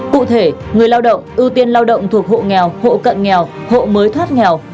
cụ thể người lao động ưu tiên lao động thuộc hộ nghèo hộ cận nghèo hộ mới thoát nghèo